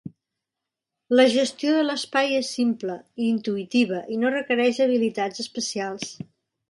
La gestió de l'espai és simple i intuïtiva i no requereix habilitats especials.